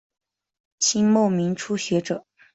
清末民初学者。